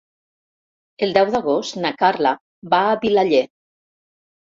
El deu d'agost na Carla va a Vilaller.